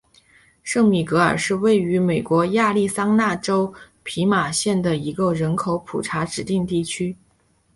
圣米格尔是位于美国亚利桑那州皮马县的一个人口普查指定地区。